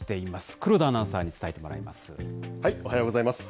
黒田アナウンサーに伝えてもらいおはようございます。